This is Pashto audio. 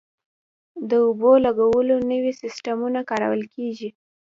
د اوبو لګولو نوي سیستمونه کارول کیږي.